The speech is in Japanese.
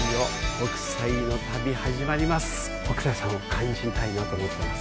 北斎さんを感じたいなと思ってます。